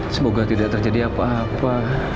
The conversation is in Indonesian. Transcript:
semoga tidak terjadi apa apa